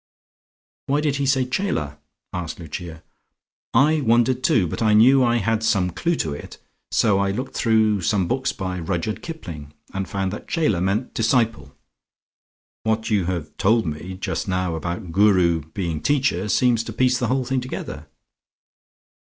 "Why did he say 'Chela'?" asked Lucia. "I wondered too. But I knew I had some clue to it, so I looked through some books by Rudyard Kipling, and found that Chela meant 'Disciple.' What you have told me just now about 'Guru' being 'teacher,' seems to piece the whole thing together."